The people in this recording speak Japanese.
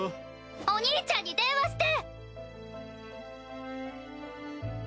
お兄ちゃんに電話して！